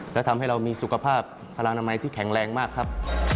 และทำให้เรามีสุขภาพพลังอนามัยที่แข็งแรงมากครับ